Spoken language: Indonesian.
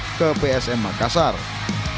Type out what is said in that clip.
berita terkini mengenai penyelidikan berikutnya